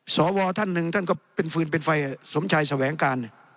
สวท่านหนึ่งท่านก็เป็นฟืนเป็นไฟสมชายแสวงการ